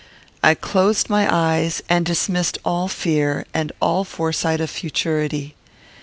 I closed my eyes, and dismissed all fear, and all foresight of futurity.